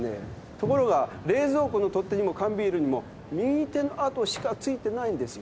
ところが冷蔵庫の取っ手にも缶ビールにも右手の跡しか付いてないんですよ。